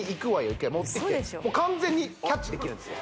１回持ってきてウソでしょもう完全にキャッチできるんですよ